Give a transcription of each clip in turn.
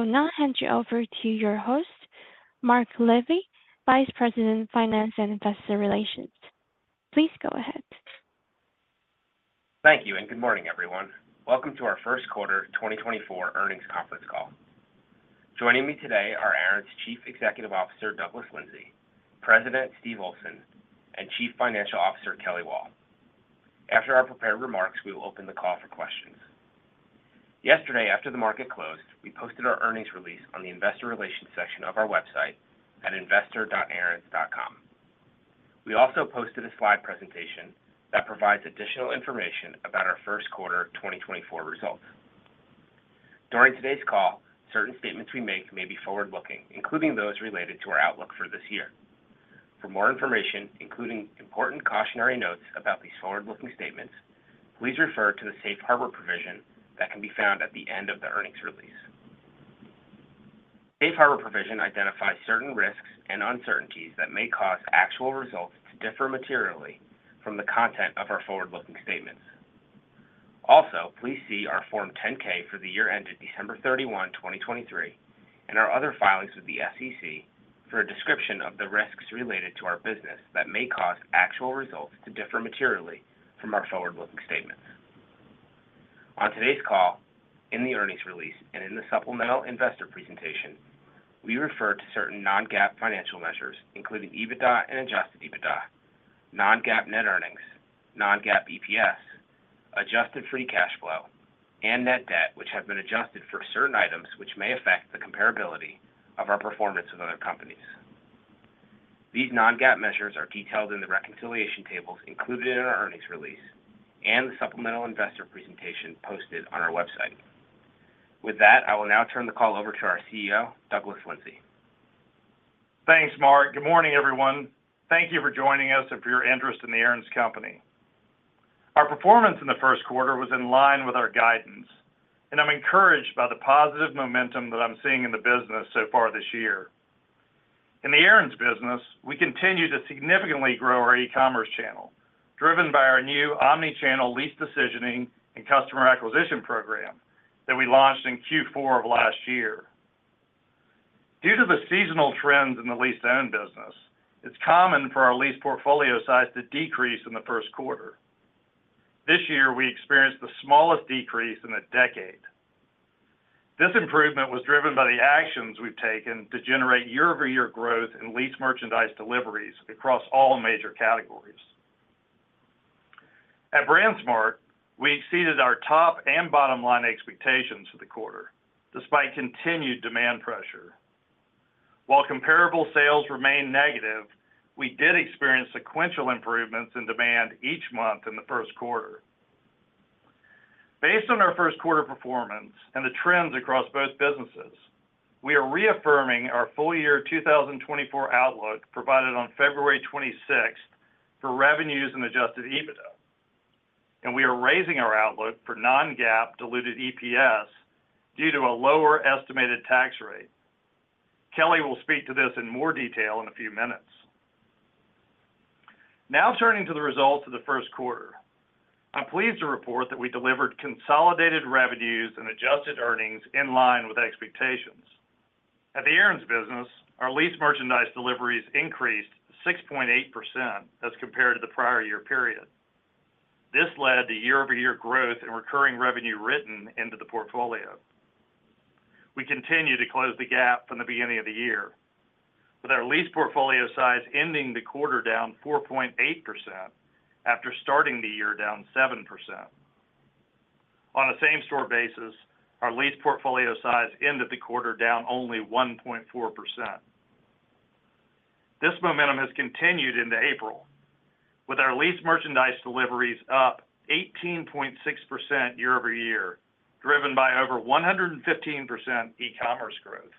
I will now hand you over to your host, Mark Levy, Vice President, Finance and Investor Relations. Please go ahead. Thank you, and good morning, everyone. Welcome to our First Quarter 2024 Earnings Conference Call. Joining me today are Aaron's Chief Executive Officer, Douglas Lindsay, President, Steve Olsen, and Chief Financial Officer, Kelly Wall. After our prepared remarks, we will open the call for questions. Yesterday, after the market closed, we posted our earnings release on the investor relations section of our website at investor.aarons.com. We also posted a slide presentation that provides additional information about our first quarter 2024 results. During today's call, certain statements we make may be forward-looking, including those related to our outlook for this year. For more information, including important cautionary notes about these forward-looking statements, please refer to the safe harbor provision that can be found at the end of the earnings release. Safe harbor provision identifies certain risks and uncertainties that may cause actual results to differ materially from the content of our forward-looking statements. Also, please see our Form 10-K for the year ended December 31, 2023, and our other filings with the SEC for a description of the risks related to our business that may cause actual results to differ materially from our forward-looking statements. On today's call, in the earnings release, and in the supplemental investor presentation, we refer to certain non-GAAP financial measures, including EBITDA and Adjusted EBITDA, non-GAAP net earnings, non-GAAP EPS, Adjusted Free Cash Flow, and net debt, which have been adjusted for certain items which may affect the comparability of our performance with other companies. These non-GAAP measures are detailed in the reconciliation tables included in our earnings release and the supplemental investor presentation posted on our website. With that, I will now turn the call over to our CEO, Douglas Lindsay. Thanks, Mark. Good morning, everyone. Thank you for joining us and for your interest in The Aaron's Company. Our performance in the first quarter was in line with our guidance, and I'm encouraged by the positive momentum that I'm seeing in the business so far this year. In the Aaron's business, we continue to significantly grow our e-commerce channel, driven by our new omni-channel lease decisioning and customer acquisition program that we launched in Q4 of last year. Due to the seasonal trends in the lease-to-own business, it's common for our lease portfolio size to decrease in the first quarter. This year, we experienced the smallest decrease in a decade. This improvement was driven by the actions we've taken to generate year-over-year growth in lease merchandise deliveries across all major categories. At BrandsMart, we exceeded our top and bottom line expectations for the quarter, despite continued demand pressure. While comparable sales remained negative, we did experience sequential improvements in demand each month in the first quarter. Based on our first quarter performance and the trends across both businesses, we are reaffirming our full year 2024 outlook provided on February 26th for revenues and Adjusted EBITDA, and we are raising our outlook for non-GAAP diluted EPS due to a lower estimated tax rate. Kelly will speak to this in more detail in a few minutes. Now, turning to the results of the first quarter. I'm pleased to report that we delivered consolidated revenues and adjusted earnings in line with expectations. At the Aaron's business, our lease merchandise deliveries increased 6.8% as compared to the prior year period. This led to year-over-year growth in recurring revenue written into the portfolio. We continue to close the gap from the beginning of the year, with our lease portfolio size ending the quarter down 4.8% after starting the year down 7%. On a same-store basis, our lease portfolio size ended the quarter down only 1.4%. This momentum has continued into April, with our lease merchandise deliveries up 18.6% year over year, driven by over 115% e-commerce growth.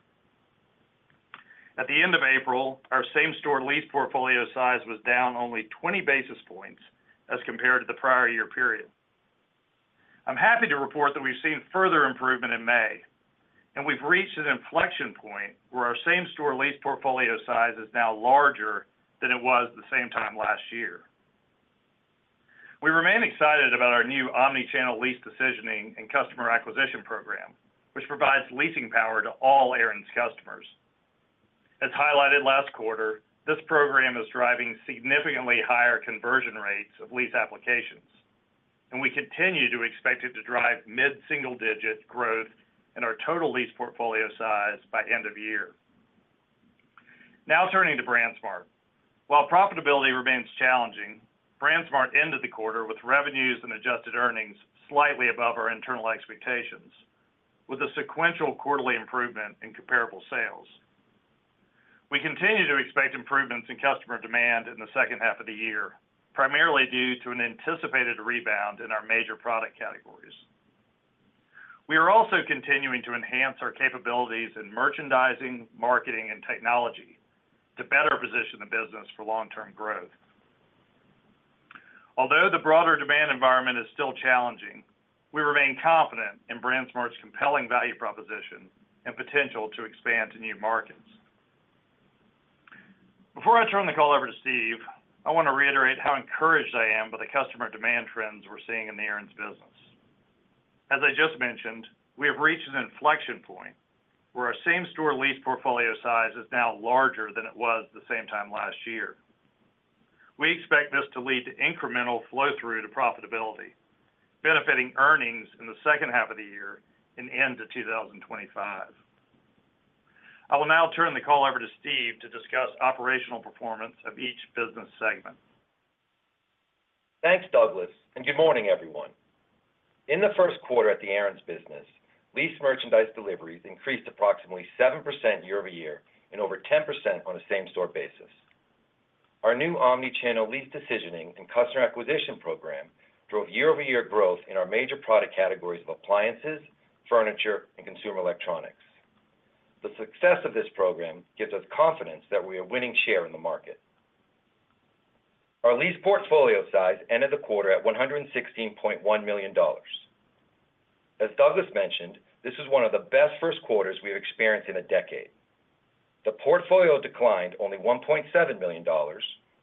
At the end of April, our same-store lease portfolio size was down only 20 basis points as compared to the prior year period. I'm happy to report that we've seen further improvement in May, and we've reached an inflection point where our same-store lease portfolio size is now larger than it was the same time last year. We remain excited about our new omni-channel lease decisioning and customer acquisition program, which provides leasing power to all Aaron's customers. As highlighted last quarter, this program is driving significantly higher conversion rates of lease applications, and we continue to expect it to drive mid-single digit growth in our total lease portfolio size by end of year. Now, turning to BrandsMart. While profitability remains challenging, BrandsMart ended the quarter with revenues and adjusted earnings slightly above our internal expectations, with a sequential quarterly improvement in comparable sales. We continue to expect improvements in customer demand in the second half of the year, primarily due to an anticipated rebound in our major product categories. We are also continuing to enhance our capabilities in merchandising, marketing, and technology to better position the business for long-term growth. Although the broader demand environment is still challenging, we remain confident in BrandsMart's compelling value proposition and potential to expand to new markets. Before I turn the call over to Steve, I want to reiterate how encouraged I am by the customer demand trends we're seeing in the Aaron's business. As I just mentioned, we have reached an inflection point where our same-store lease portfolio size is now larger than it was the same time last year. We expect this to lead to incremental flow through to profitability, benefiting earnings in the second half of the year and into 2025. I will now turn the call over to Steve to discuss operational performance of each business segment. Thanks, Douglas, and good morning, everyone. In the first quarter at the Aaron's business, lease merchandise deliveries increased approximately 7% year-over-year and over 10% on a same-store basis. Our new omni-channel lease decisioning and customer acquisition program drove year-over-year growth in our major product categories of appliances, furniture, and consumer electronics. The success of this program gives us confidence that we are winning share in the market. Our lease portfolio size ended the quarter at $116.1 million. As Douglas mentioned, this is one of the best first quarters we have experienced in a decade. The portfolio declined only $1.7 million.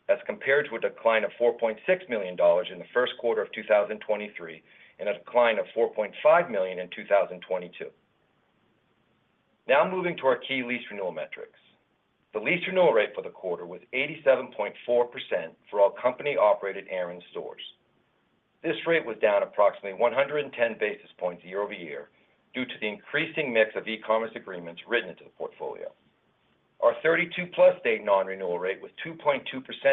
That's compared to a decline of $4.6 million in the first quarter of 2023, and a decline of $4.5 million in 2022. Now, moving to our key lease renewal metrics. The lease renewal rate for the quarter was 87.4% for all company-operated Aaron's stores. This rate was down approximately 110 basis points year-over-year due to the increasing mix of e-commerce agreements written into the portfolio. Our 32+ day non-renewal rate was 2.2%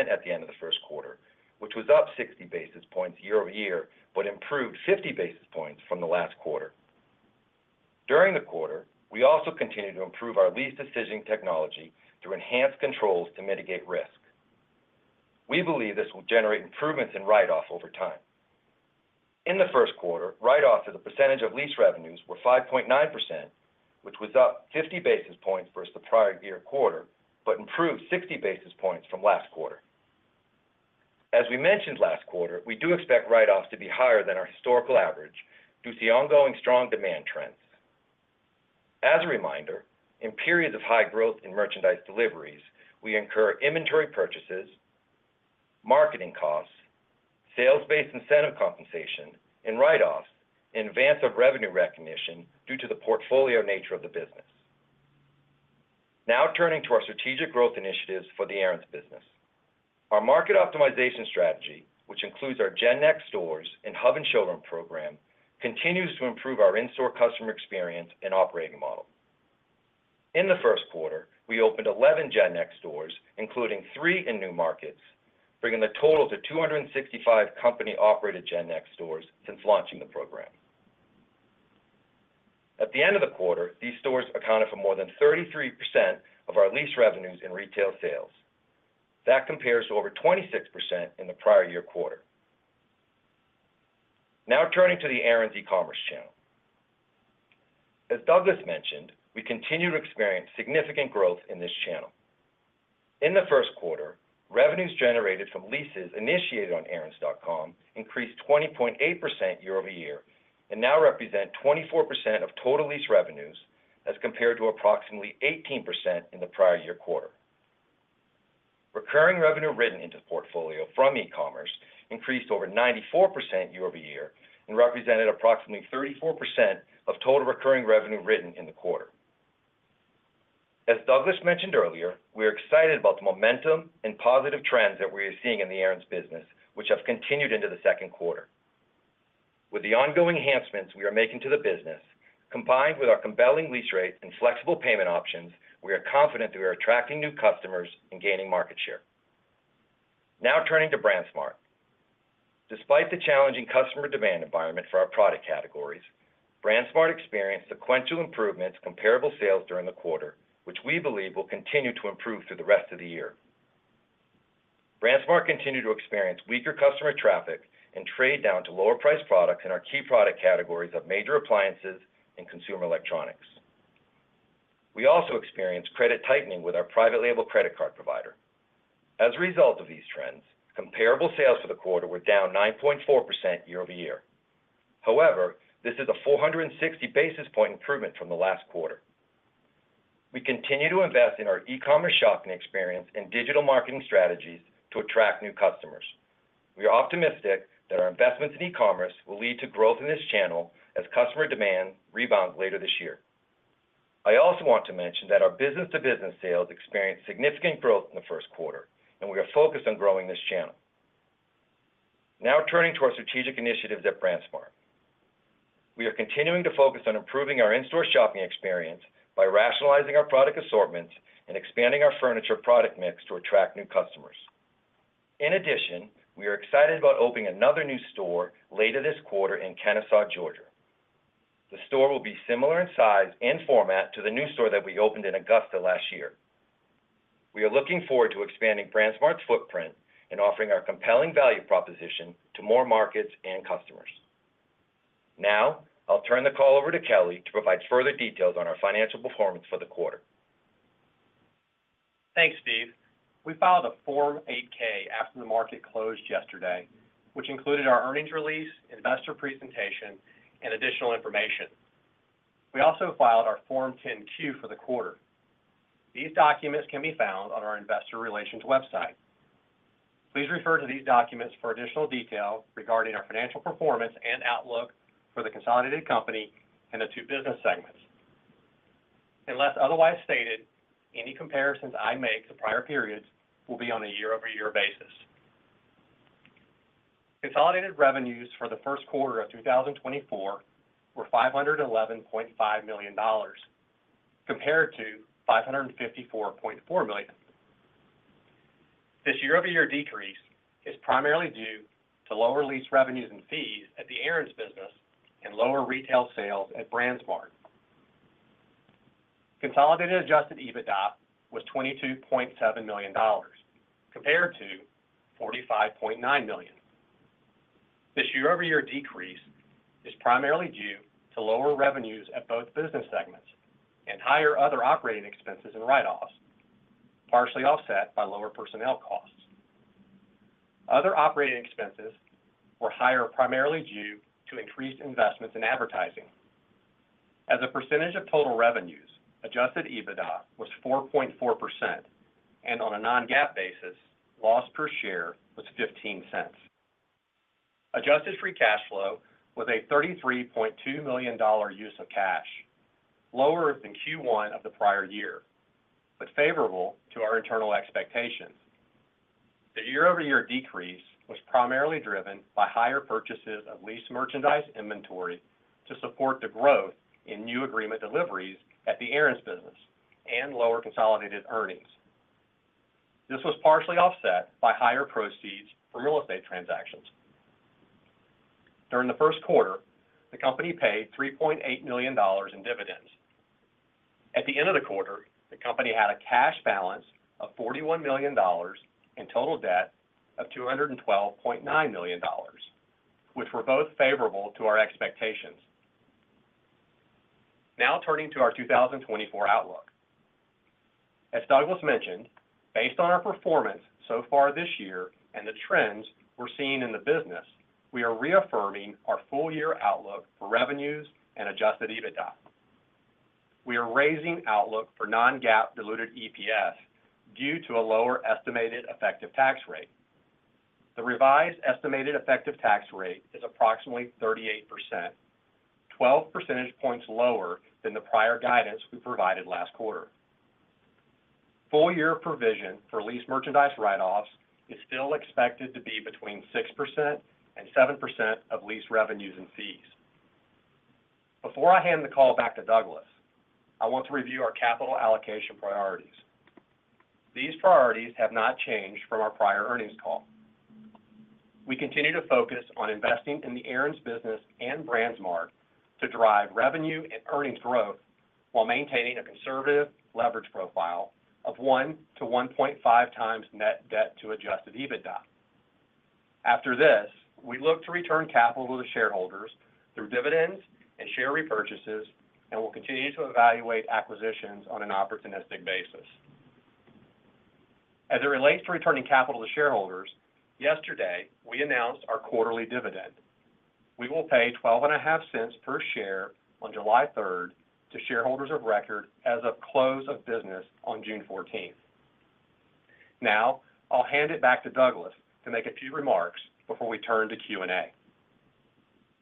at the end of the first quarter, which was up 60 basis points year-over-year, but improved 50 basis points from the last quarter. During the quarter, we also continued to improve our lease decision technology through enhanced controls to mitigate risk. We believe this will generate improvements in write-off over time. In the first quarter, write-offs as a percentage of lease revenues were 5.9%, which was up 50 basis points versus the prior year quarter, but improved 60 basis points from last quarter. As we mentioned last quarter, we do expect write-offs to be higher than our historical average due to the ongoing strong demand trends. As a reminder, in periods of high growth in merchandise deliveries, we incur inventory purchases, marketing costs, sales-based incentive compensation, and write-offs in advance of revenue recognition due to the portfolio nature of the business. Now, turning to our strategic growth initiatives for the Aaron's business. Our market optimization strategy, which includes our GenNext stores and Hub and Showroom program, continues to improve our in-store customer experience and operating model. In the first quarter, we opened 11 GenNext stores, including 3 in new markets, bringing the total to 265 company-operated GenNext stores since launching the program. At the end of the quarter, these stores accounted for more than 33% of our lease revenues in retail sales. That compares to over 26% in the prior year quarter. Now, turning to the Aaron's e-commerce channel. As Douglas mentioned, we continue to experience significant growth in this channel. In the first quarter, revenues generated from leases initiated on Aarons.com increased 20.8% year-over-year and now represent 24% of total lease revenues, as compared to approximately 18% in the prior year quarter. Recurring revenue written into the portfolio from e-commerce increased over 94% year-over-year and represented approximately 34% of total recurring revenue written in the quarter. As Douglas mentioned earlier, we are excited about the momentum and positive trends that we are seeing in the Aaron's business, which have continued into the second quarter. With the ongoing enhancements we are making to the business, combined with our compelling lease rates and flexible payment options, we are confident that we are attracting new customers and gaining market share. Now, turning to BrandsMart. Despite the challenging customer demand environment for our product categories, BrandsMart experienced sequential improvements in comparable sales during the quarter, which we believe will continue to improve through the rest of the year. BrandsMart continued to experience weaker customer traffic and trade down to lower priced products in our key product categories of major appliances and consumer electronics. We also experienced credit tightening with our private label credit card provider. As a result of these trends, comparable sales for the quarter were down 9.4% year-over-year. However, this is a 460 basis point improvement from the last quarter. We continue to invest in our e-commerce shopping experience and digital marketing strategies to attract new customers. We are optimistic that our investments in e-commerce will lead to growth in this channel as customer demand rebounds later this year. I also want to mention that our business-to-business sales experienced significant growth in the first quarter, and we are focused on growing this channel. Now, turning to our strategic initiatives at BrandsMart. We are continuing to focus on improving our in-store shopping experience by rationalizing our product assortments and expanding our furniture product mix to attract new customers. In addition, we are excited about opening another new store later this quarter in Kennesaw, Georgia. The store will be similar in size and format to the new store that we opened in Augusta last year. We are looking forward to expanding BrandsMart's footprint and offering our compelling value proposition to more markets and customers. Now, I'll turn the call over to Kelly to provide further details on our financial performance for the quarter. Thanks, Steve. We filed a Form 8-K after the market closed yesterday, which included our earnings release, investor presentation, and additional information.... We also filed our Form 10-Q for the quarter. These documents can be found on our investor relations website. Please refer to these documents for additional detail regarding our financial performance and outlook for the consolidated company and the two business segments. Unless otherwise stated, any comparisons I make to prior periods will be on a year-over-year basis. Consolidated revenues for the first quarter of 2024 were $511.5 million, compared to $554.4 million. This year-over-year decrease is primarily due to lower lease revenues and fees at the Aaron's business and lower retail sales at BrandsMart. Consolidated Adjusted EBITDA was $22.7 million, compared to $45.9 million. This year-over-year decrease is primarily due to lower revenues at both business segments and higher other operating expenses and write-offs, partially offset by lower personnel costs. Other operating expenses were higher, primarily due to increased investments in advertising. As a percentage of total revenues, Adjusted EBITDA was 4.4%, and on a non-GAAP basis, loss per share was $0.15. Adjusted Free Cash Flow was a $33.2 million use of cash, lower than Q1 of the prior year, but favorable to our internal expectations. The year-over-year decrease was primarily driven by higher purchases of leased merchandise inventory to support the growth in new agreement deliveries at the Aaron's business and lower consolidated earnings. This was partially offset by higher proceeds from real estate transactions. During the first quarter, the company paid $3.8 million in dividends. At the end of the quarter, the company had a cash balance of $41 million and total debt of $212.9 million, which were both favorable to our expectations. Now turning to our 2024 outlook. As Douglas mentioned, based on our performance so far this year and the trends we're seeing in the business, we are reaffirming our full year outlook for revenues and Adjusted EBITDA. We are raising outlook for non-GAAP diluted EPS due to a lower estimated effective tax rate. The revised estimated effective tax rate is approximately 38%, 12 percentage points lower than the prior guidance we provided last quarter. Full year provision for lease merchandise write-offs is still expected to be between 6% and 7% of lease revenues and fees. Before I hand the call back to Douglas, I want to review our capital allocation priorities. These priorities have not changed from our prior earnings call. We continue to focus on investing in the Aaron's business and BrandsMart to drive revenue and earnings growth while maintaining a conservative leverage profile of 1-1.5x net debt to Adjusted EBITDA. After this, we look to return capital to the shareholders through dividends and share repurchases, and we'll continue to evaluate acquisitions on an opportunistic basis. As it relates to returning capital to shareholders, yesterday, we announced our quarterly dividend. We will pay $0.125 per share on July 3 to shareholders of record as of close of business on June 14. Now, I'll hand it back to Douglas to make a few remarks before we turn to Q&A.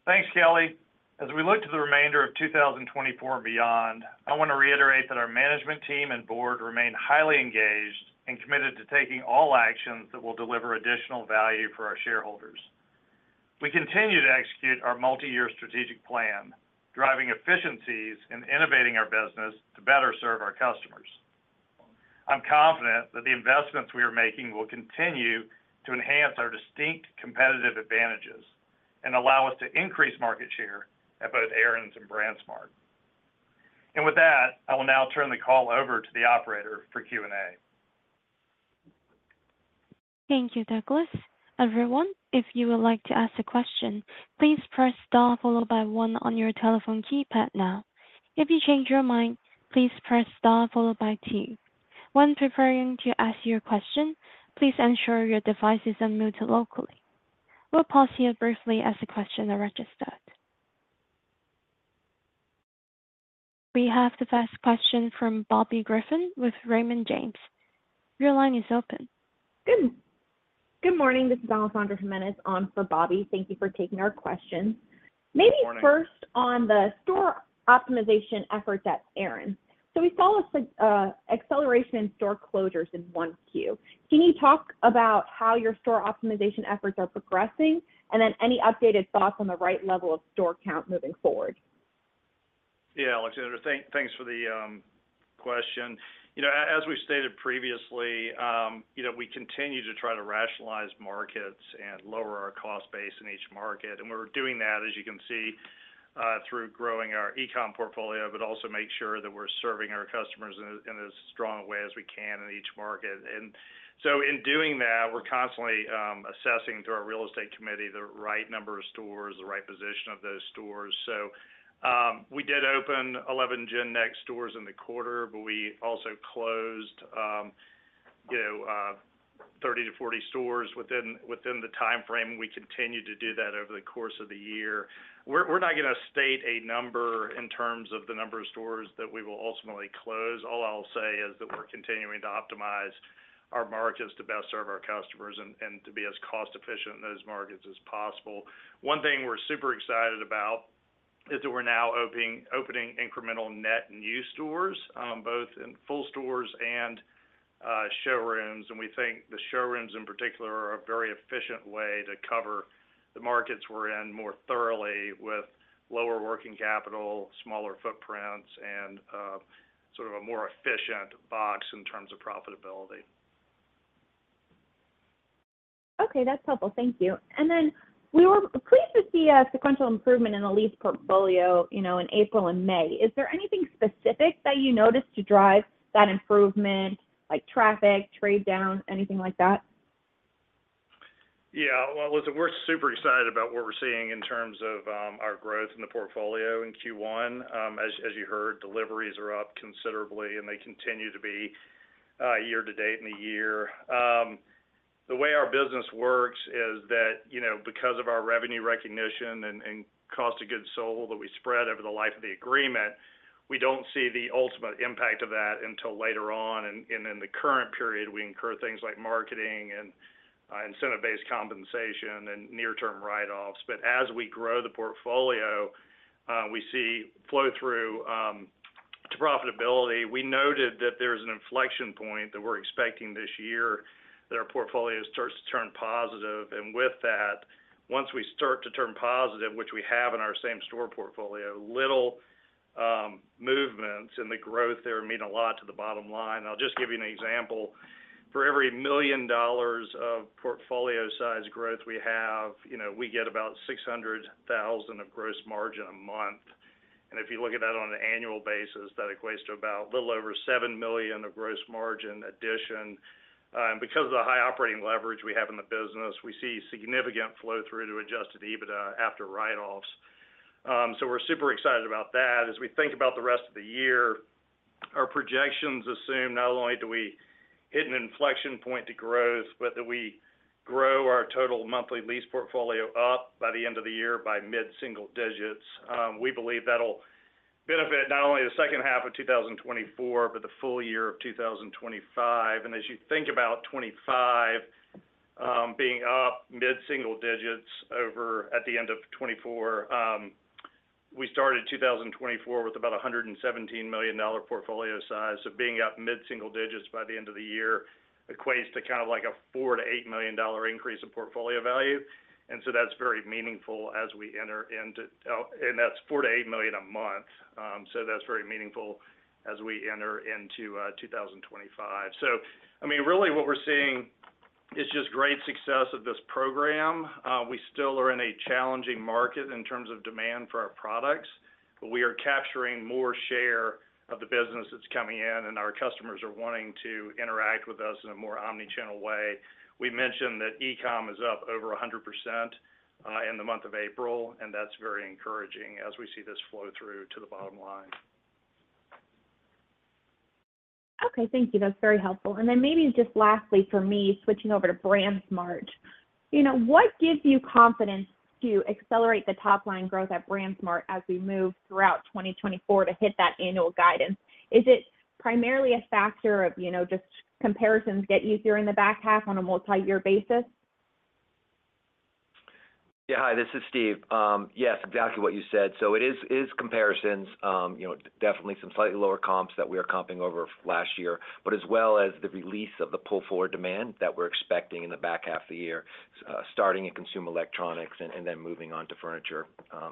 Thanks, Kelly. As we look to the remainder of 2024 and beyond, I want to reiterate that our management team and board remain highly engaged and committed to taking all actions that will deliver additional value for our shareholders. We continue to execute our multi-year strategic plan, driving efficiencies and innovating our business to better serve our customers. I'm confident that the investments we are making will continue to enhance our distinct competitive advantages and allow us to increase market share at both Aaron's and BrandsMart. And with that, I will now turn the call over to the operator for Q&A. Thank you, Douglas. Everyone, if you would like to ask a question, please press star followed by one on your telephone keypad now. If you change your mind, please press star followed by two. When preparing to ask your question, please ensure your device is unmuted locally. We'll pause here briefly as the questions are registered. We have the first question from Bobby Griffin with Raymond James. Your line is open. Good. Good morning, this is Alessandra Jimenez on for Bobby. Thank you for taking our questions. Good morning. Maybe first on the store optimization efforts at Aaron's. So we saw a significant acceleration in store closures in 1Q. Can you talk about how your store optimization efforts are progressing, and then any updated thoughts on the right level of store count moving forward? Yeah, Alessandra, thanks for the question. You know, as we stated previously, you know, we continue to try to rationalize markets and lower our cost base in each market, and we're doing that, as you can see, through growing our e-com portfolio, but also make sure that we're serving our customers in as strong a way as we can in each market. And so in doing that, we're constantly assessing through our real estate committee, the right number of stores, the right position of those stores. So, we did open 11 GenNext stores in the quarter, but we also closed, you know, 30-40 stores within the timeframe, and we continue to do that over the course of the year. We're not gonna state a number in terms of the number of stores that we will ultimately close. All I'll say is that we're continuing to optimize our markets to best serve our customers and to be as cost-efficient in those markets as possible. One thing we're super excited about is that we're now opening incremental net new stores, both in full stores and showrooms. And we think the showrooms, in particular, are a very efficient way to cover the markets we're in more thoroughly with lower working capital, smaller footprints, and sort of a more efficient box in terms of profitability. Okay, that's helpful. Thank you. And then we were pleased to see a sequential improvement in the lease portfolio, you know, in April and May. Is there anything specific that you noticed to drive that improvement, like traffic, trade down, anything like that? Yeah. Well, listen, we're super excited about what we're seeing in terms of, our growth in the portfolio in Q1. As you heard, deliveries are up considerably, and they continue to be, year to date in the year. The way our business works is that, you know, because of our revenue recognition and, cost of goods sold that we spread over the life of the agreement, we don't see the ultimate impact of that until later on. And in the current period, we incur things like marketing and, incentive-based compensation and near-term write-offs. But as we grow the portfolio, we see flow-through, to profitability. We noted that there's an inflection point that we're expecting this year, that our portfolio starts to turn positive, and with that, once we start to turn positive, which we have in our same store portfolio, little movements in the growth there mean a lot to the bottom line. I'll just give you an example. For every $1 million of portfolio size growth we have, you know, we get about $600,000 of gross margin a month. And if you look at that on an annual basis, that equates to about a little over $7 million of gross margin addition. And because of the high operating leverage we have in the business, we see significant flow-through to Adjusted EBITDA after write-offs. So we're super excited about that. As we think about the rest of the year, our projections assume not only do we hit an inflection point to growth, but that we grow our total monthly lease portfolio up by the end of the year by mid-single digits. We believe that'll benefit not only the second half of 2024, but the full year of 2025. And as you think about 2025, being up mid-single digits over at the end of 2024, we started 2024 with about a $117 million portfolio size. So being up mid-single digits by the end of the year equates to kind of like a $4 million-$8 million increase in portfolio value. And so that's very meaningful as we enter into and that's $4 million-$8 million a month. So that's very meaningful as we enter into 2025. I mean, really what we're seeing is just great success of this program. We still are in a challenging market in terms of demand for our products, but we are capturing more share of the business that's coming in, and our customers are wanting to interact with us in a more omni-channel way. We mentioned that e-com is up over 100% in the month of April, and that's very encouraging as we see this flow through to the bottom line. Okay, thank you. That's very helpful. And then maybe just lastly, for me, switching over to BrandsMart. You know, what gives you confidence to accelerate the top-line growth at BrandsMart as we move throughout 2024 to hit that annual guidance? Is it primarily a factor of, you know, just comparisons get easier in the back half on a multi-year basis? Yeah. Hi, this is Steve. Yes, exactly what you said. So it is, it is comparisons, you know, definitely some slightly lower comps that we are comping over last year, but as well as the release of the pull-forward demand that we're expecting in the back half of the year, starting in consumer electronics and then moving on to furniture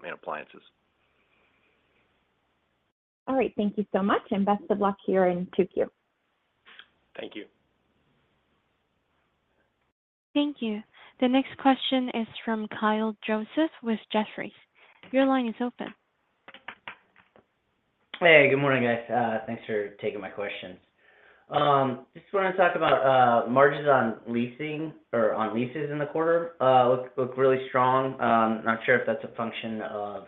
and appliances. All right. Thank you so much, and best of luck here in 2Q. Thank you. Thank you. The next question is from Kyle Joseph with Jefferies. Your line is open. Hey, good morning, guys. Thanks for taking my questions. Just wanted to talk about margins on leasing or on leases in the quarter. They look really strong. I'm not sure if that's a function of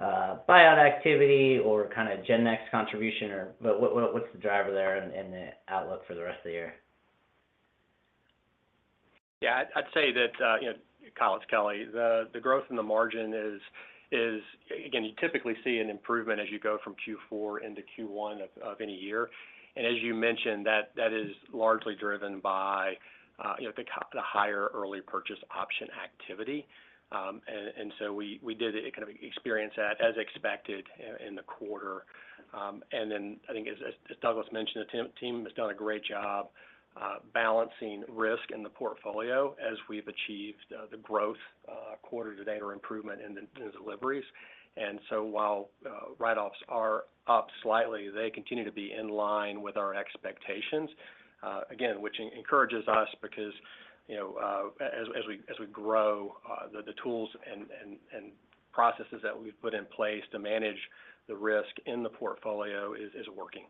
buyout activity or kind of GenNext contribution or... But what's the driver there and the outlook for the rest of the year? Yeah, I'd say that, you know, Kyle, it's Kelly. The growth in the margin is. Again, you typically see an improvement as you go from Q4 into Q1 of any year. And as you mentioned, that is largely driven by, you know, the higher early purchase option activity. And so we did kind of experience that as expected in the quarter. And then I think as Douglas mentioned, the team has done a great job balancing risk in the portfolio as we've achieved the growth quarter to date or improvement in the deliveries. And so while write-offs are up slightly, they continue to be in line with our expectations, again, which encourages us because, you know, as we grow, the tools and processes that we've put in place to manage the risk in the portfolio is working.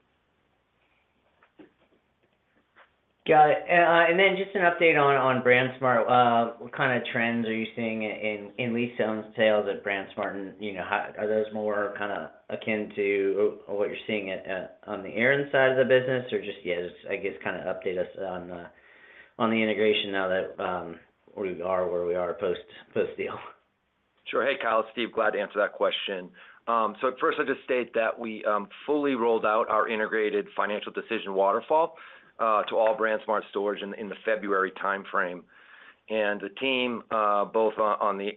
Got it. And then just an update on BrandsMart. What kind of trends are you seeing in lease sales at BrandsMart? And, you know, how... Are those more kind of akin to what you're seeing at on the Aaron's side of the business, or just, yeah, just, I guess, kind of update us on the integration now that we are where we are post, post-deal?... Sure. Hey, Kyle, it's Steve. Glad to answer that question. So first, I just state that we fully rolled out our integrated financial decision waterfall to all BrandsMart stores in the February timeframe. The team both on the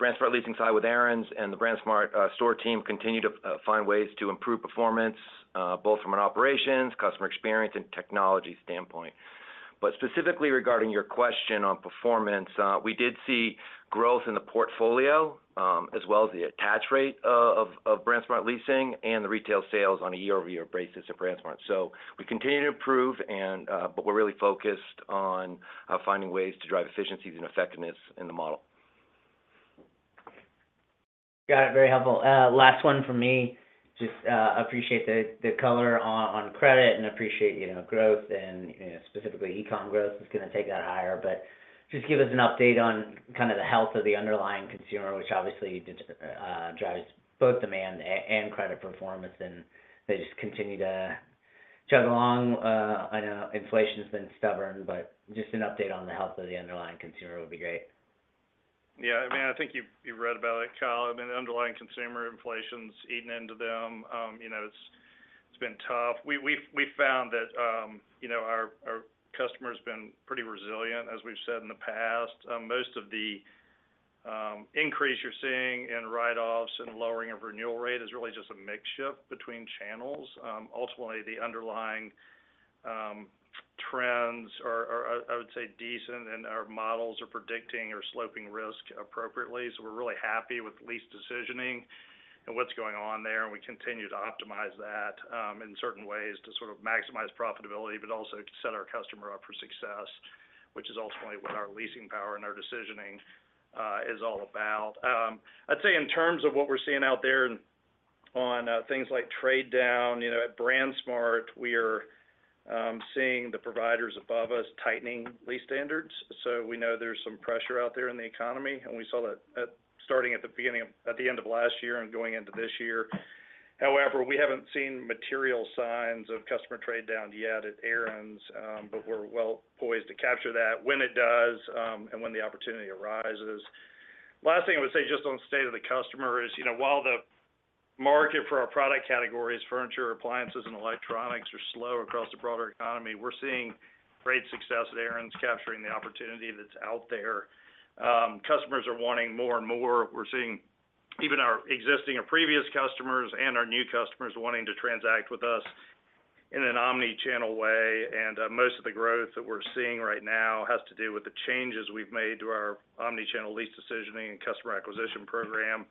BrandsMart Leasing side with Aaron's and the BrandsMart store team continue to find ways to improve performance both from an operations, customer experience, and technology standpoint. Specifically regarding your question on performance, we did see growth in the portfolio as well as the attach rate of BrandsMart Leasing and the retail sales on a year-over-year basis at BrandsMart. We continue to improve, and but we're really focused on finding ways to drive efficiencies and effectiveness in the model. Got it. Very helpful. Last one from me. Just appreciate the color on credit and appreciate, you know, growth and, you know, specifically, e-com growth is gonna take that higher. But just give us an update on kind of the health of the underlying consumer, which obviously drives both demand and credit performance, and they just continue to chug along. I know inflation's been stubborn, but just an update on the health of the underlying consumer would be great. Yeah, I mean, I think you've read about it, Kyle. I mean, underlying consumer inflation's eating into them. You know, it's been tough. We've found that, you know, our customer's been pretty resilient, as we've said in the past. Most of the increase you're seeing in write-offs and lowering of renewal rate is really just a mix shift between channels. Ultimately, the underlying trends are, I would say, decent, and our models are predicting or sloping risk appropriately. So we're really happy with lease decisioning and what's going on there, and we continue to optimize that in certain ways to sort of maximize profitability but also to set our customer up for success, which is ultimately what our leasing power and our decisioning is all about. I'd say in terms of what we're seeing out there on things like trade down, you know, at BrandsMart, we are seeing the providers above us tightening lease standards. So we know there's some pressure out there in the economy, and we saw that at the end of last year and going into this year. However, we haven't seen material signs of customer trade down yet at Aaron's, but we're well poised to capture that when it does, and when the opportunity arises. Last thing I would say, just on the state of the customer is, you know, while the market for our product categories, furniture, appliances, and electronics are slow across the broader economy, we're seeing great success at Aaron's, capturing the opportunity that's out there. Customers are wanting more and more. We're seeing even our existing or previous customers and our new customers wanting to transact with us in an omni-channel way. And most of the growth that we're seeing right now has to do with the changes we've made to our omni-channel lease decisioning and customer acquisition program,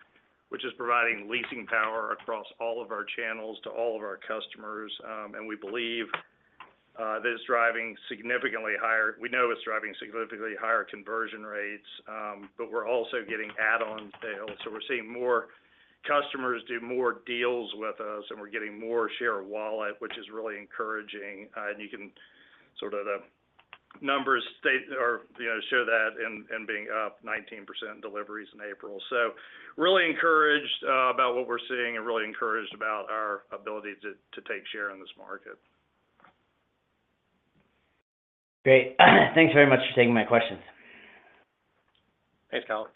which is providing leasing power across all of our channels to all of our customers. And we believe that it's driving significantly higher... We know it's driving significantly higher conversion rates, but we're also getting add-on sales. So we're seeing more customers do more deals with us, and we're getting more share of wallet, which is really encouraging. And you can sort of the numbers state or show that in being up 19% deliveries in April. So really encouraged about what we're seeing and really encouraged about our ability to take share in this market. Great. Thanks very much for taking my questions. Thanks, Kyle.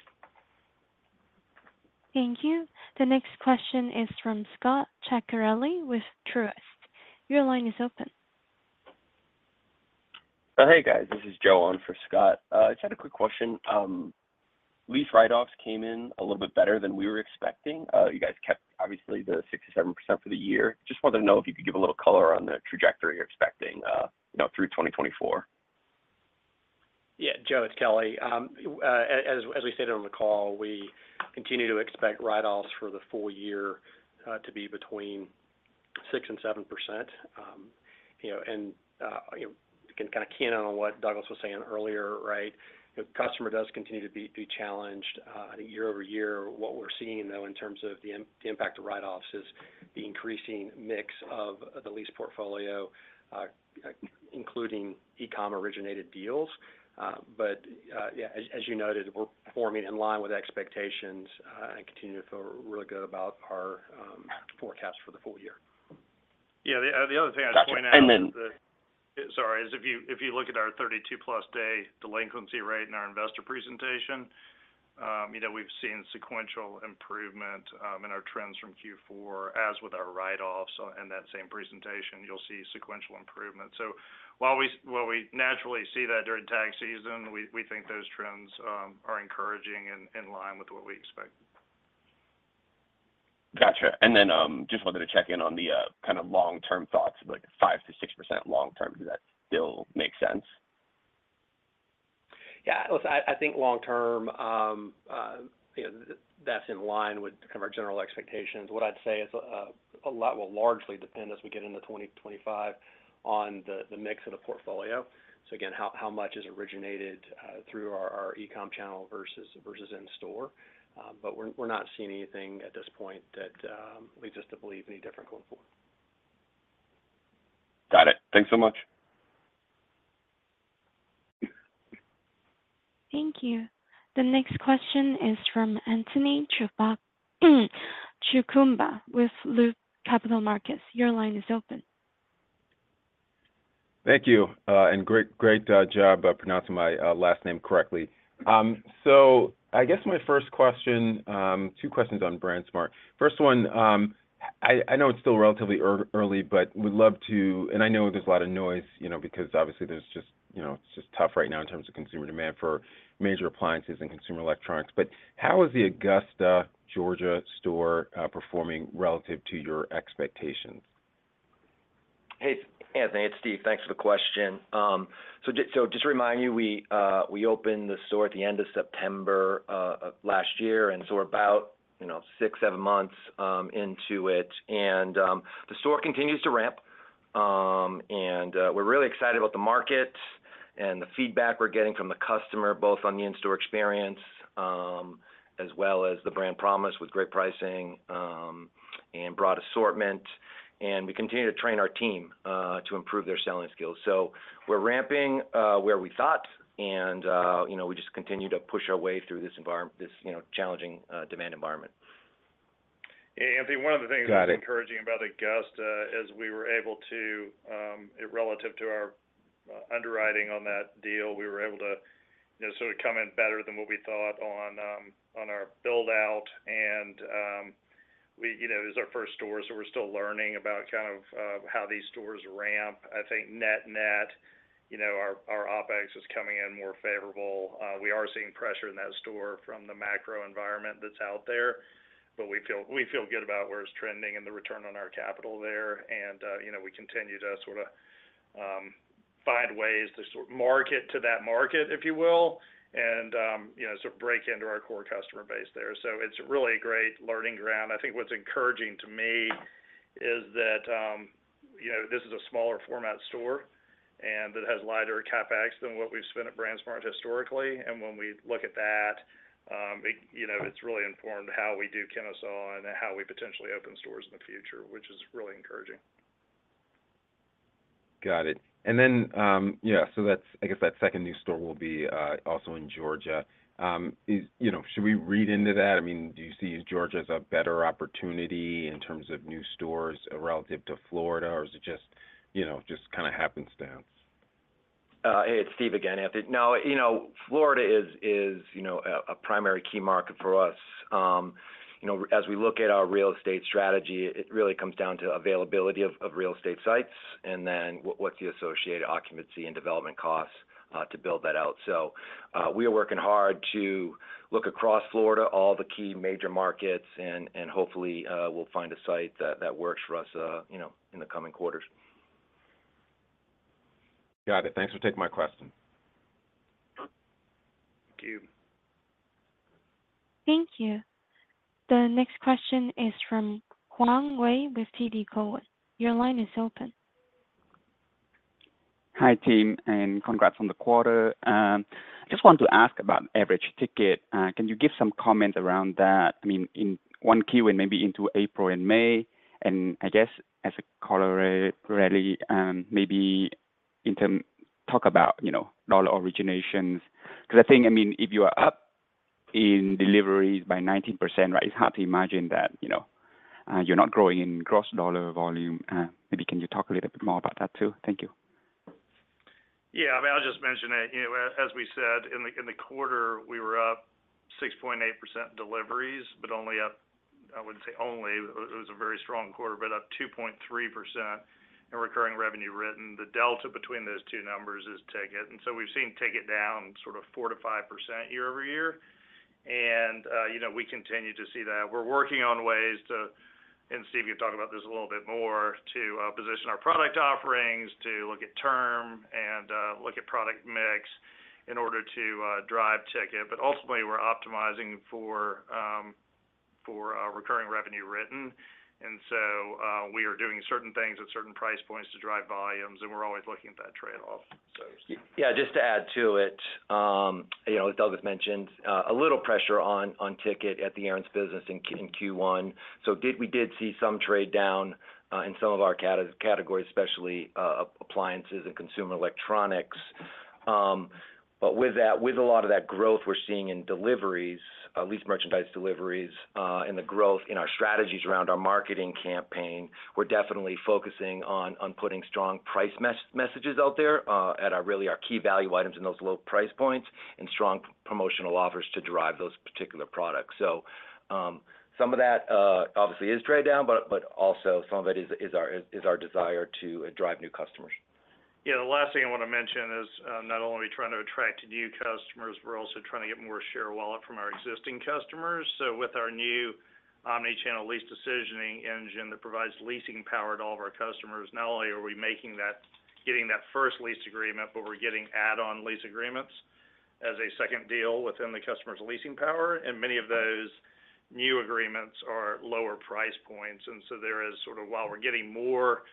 Thank you. The next question is from Scott Ciccarelli with Truist. Your line is open. Hey, guys. This is Joe on for Scott. Just had a quick question. Lease write-offs came in a little bit better than we were expecting. You guys kept obviously the 6%-7% for the year. Just wanted to know if you could give a little color on the trajectory you're expecting, you know, through 2024. Yeah, Joe, it's Kelly. As we stated on the call, we continue to expect write-offs for the full year to be between 6% and 7%. You know, and you know, again, kind of keying on what Douglas was saying earlier, right? The customer does continue to be challenged. Year-over-year, what we're seeing, though, in terms of the impact of write-offs, is the increasing mix of the lease portfolio, including e-com originated deals. But yeah, as you noted, we're performing in line with expectations and continue to feel really good about our forecast for the full year. Yeah, the other thing I'd point out- Gotcha. And then- Sorry, if you look at our 32+ day delinquency rate in our investor presentation, you know, we've seen sequential improvement in our trends from Q4, as with our write-offs. So in that same presentation, you'll see sequential improvement. So while we naturally see that during tax season, we think those trends are encouraging and in line with what we expect. Gotcha. And then, just wanted to check in on the kind of long-term thoughts, like 5%-6% long term. Does that still make sense? Yeah, listen, I think long term, you know, that's in line with kind of our general expectations. What I'd say is, a lot will largely depend as we get into 2025 on the mix of the portfolio. So again, how much is originated through our e-com channel versus in store? But we're not seeing anything at this point that leads us to believe any different going forward. Got it. Thanks so much. Thank you. The next question is from Anthony Chukumba with Loop Capital Markets. Your line is open.... Thank you, and great, great job of pronouncing my last name correctly. So I guess my first question, two questions on BrandsMart. First one, I know it's still relatively early, but would love to. And I know there's a lot of noise, you know, because obviously, there's just, you know, it's just tough right now in terms of consumer demand for major appliances and consumer electronics. But how is the Augusta, Georgia store performing relative to your expectations? Hey, Anthony, it's Steve. Thanks for the question. So just to remind you, we opened the store at the end of September last year, and so we're about, you know, 6, 7 months into it. The store continues to ramp. We're really excited about the market and the feedback we're getting from the customer, both on the in-store experience as well as the brand promise with great pricing and broad assortment. We continue to train our team to improve their selling skills. So we're ramping where we thought and, you know, we just continue to push our way through this, you know, challenging demand environment. Hey, Anthony, one of the things- Got it... that's encouraging about Augusta is we were able to, relative to our underwriting on that deal, we were able to, you know, sort of come in better than what we thought on, on our build out. And, we, you know, it was our first store, so we're still learning about kind of, how these stores ramp. I think net-net, you know, our, our OpEx is coming in more favorable. We are seeing pressure in that store from the macro environment that's out there, but we feel, we feel good about where it's trending and the return on our capital there. And, you know, we continue to sort of, find ways to sort market to that market, if you will, and, you know, sort of break into our core customer base there. So it's really a great learning ground. I think what's encouraging to me is that, you know, this is a smaller format store, and it has lighter CapEx than what we've spent at BrandsMart historically. When we look at that, you know, it's really informed how we do Kennesaw and how we potentially open stores in the future, which is really encouraging. Got it. And then, I guess that second new store will be also in Georgia. You know, should we read into that? I mean, do you see Georgia as a better opportunity in terms of new stores relative to Florida, or is it just, you know, just kinda happenstance? Hey, it's Steve again, Anthony. No, you know, Florida is a primary key market for us. You know, as we look at our real estate strategy, it really comes down to availability of real estate sites and then what's the associated occupancy and development costs to build that out. So, we are working hard to look across Florida, all the key major markets, and hopefully we'll find a site that works for us, you know, in the coming quarters. Got it. Thanks for taking my question. Thank you. Thank you. The next question is from Hoang Nguyen with TD Cowen. Your line is open. Hi, team, and congrats on the quarter. I just want to ask about average ticket. Can you give some comment around that? I mean, in one key way, maybe into April and May, and I guess as a corollary, maybe in terms, talk about, you know, dollar originations. Because I think, I mean, if you are up in deliveries by 19%, right, it's hard to imagine that, you know, you're not growing in gross dollar volume. Maybe can you talk a little bit more about that, too? Thank you. Yeah, I mean, I'll just mention that, you know, as we said in the quarter, we were up 6.8% deliveries, but only up, I wouldn't say only, it was a very strong quarter, but up 2.3% in recurring revenue written. The delta between those two numbers is ticket, and so we've seen ticket down sort of 4%-5% year-over-year. And, you know, we continue to see that. We're working on ways to, and Steve, you can talk about this a little bit more, to position our product offerings, to look at term and look at product mix in order to drive ticket. But ultimately, we're optimizing for recurring revenue written. And so, we are doing certain things at certain price points to drive volumes, and we're always looking at that trade-off. So- Yeah, just to add to it, you know, as Douglas mentioned, a little pressure on ticket at the Aaron's business in Q1. So we did see some trade down in some of our categories, especially appliances and consumer electronics. But with that, with a lot of that growth we're seeing in deliveries, at least merchandise deliveries, and the growth in our strategies around our marketing campaign, we're definitely focusing on putting strong price messages out there at our really key value items in those low price points, and strong promotional offers to drive those particular products. So, some of that, obviously, is trade down, but also some of it is our desire to drive new customers. Yeah, the last thing I want to mention is, not only are we trying to attract new customers, we're also trying to get more share of wallet from our existing customers. So with our new omni-channel lease decisioning engine that provides leasing power to all of our customers, not only are we making that-- getting that first lease agreement, but we're getting add-on lease agreements as a second deal within the customer's leasing power, and many of those new agreements are lower price points. And so there is sort of, while we're getting more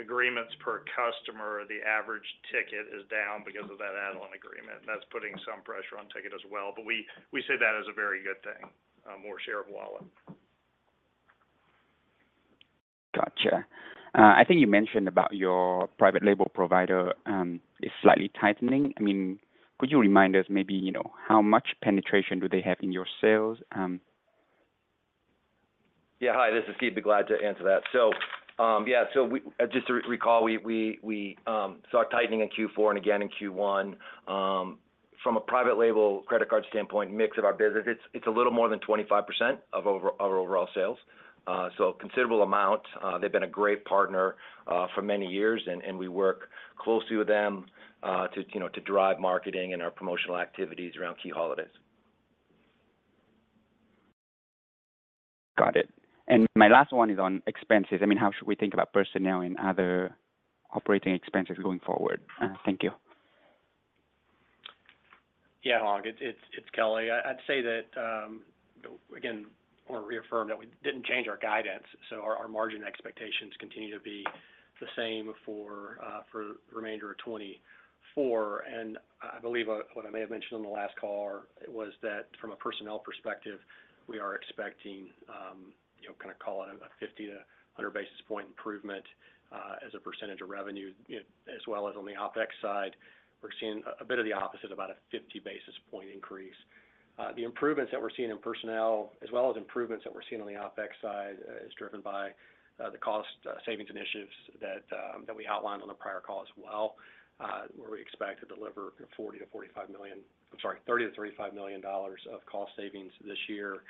agreements per customer, the average ticket is down because of that add-on agreement, and that's putting some pressure on ticket as well. But we see that as a very good thing, more share of wallet. Gotcha. I think you mentioned about your private label provider is slightly tightening. I mean, could you remind us maybe, you know, how much penetration do they have in your sales?... Yeah, hi, this is Steve. Be glad to answer that. So, yeah, so we just to recall, we saw tightening in Q4 and again in Q1. From a private label credit card standpoint, mix of our business, it's a little more than 25% of our overall sales. So considerable amount. They've been a great partner for many years, and we work closely with them to, you know, to drive marketing and our promotional activities around key holidays. Got it. My last one is on expenses. I mean, how should we think about personnel and other operating expenses going forward? Thank you. Yeah, Hong, it's Kelly. I'd say that, again, or reaffirm that we didn't change our guidance, so our margin expectations continue to be the same for the remainder of 2024. And I believe what I may have mentioned on the last call was that from a personnel perspective, we are expecting, you know, kind of call it a 50-100 basis point improvement, as a percentage of revenue, you know, as well as on the OpEx side. We're seeing a bit of the opposite, about a 50 basis point increase. The improvements that we're seeing in personnel, as well as improvements that we're seeing on the OpEx side, is driven by the cost savings initiatives that that we outlined on the prior call as well, where we expect to deliver $40-$45 million-- I'm sorry, $30-$35 million of cost savings this year.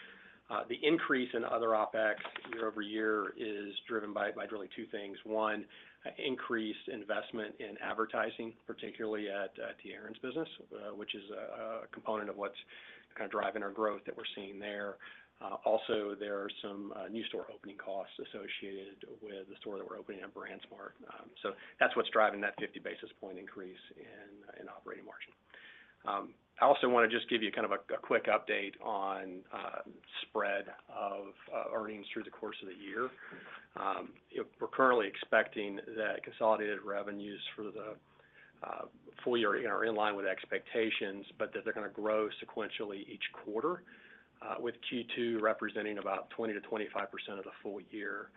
The increase in other OpEx year-over-year is driven by by really two things. One, increased investment in advertising, particularly at the Aaron's business, which is a a component of what's kind of driving our growth that we're seeing there. Also, there are some new store opening costs associated with the store that we're opening at BrandsMart. So that's what's driving that 50 basis point increase in in operating margin. I also want to just give you kind of a quick update on spread of earnings through the course of the year. You know, we're currently expecting that consolidated revenues for the full year are in line with expectations, but that they're gonna grow sequentially each quarter, with Q2 representing about 20%-25% of the full year.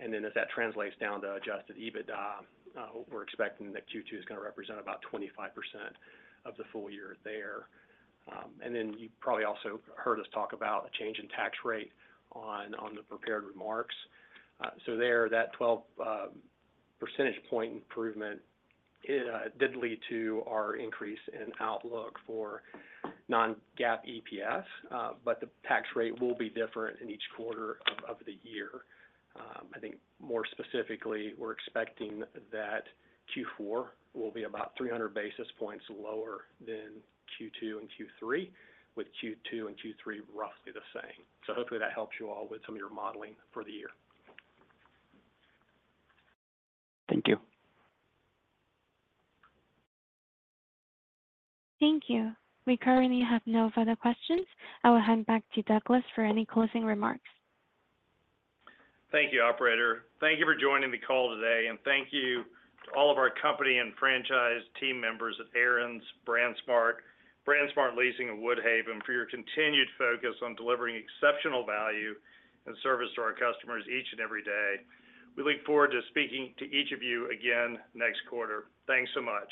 And then as that translates down to Adjusted EBITDA, we're expecting that Q2 is gonna represent about 25% of the full year there. And then you probably also heard us talk about a change in tax rate on the prepared remarks. So there, that 12 percentage point improvement did lead to our increase in outlook for non-GAAP EPS, but the tax rate will be different in each quarter of the year. I think more specifically, we're expecting that Q4 will be about 300 basis points lower than Q2 and Q3, with Q2 and Q3 roughly the same. So hopefully that helps you all with some of your modeling for the year. Thank you. Thank you. We currently have no further questions. I will hand back to Douglas for any closing remarks. Thank you, operator. Thank you for joining the call today, and thank you to all of our company and franchise team members at Aaron's, BrandsMart, BrandsMart Leasing, and Woodhaven for your continued focus on delivering exceptional value and service to our customers each and every day. We look forward to speaking to each of you again next quarter. Thanks so much.